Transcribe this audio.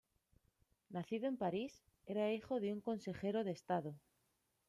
Nacido en París, era hijo de un consejero de Estado.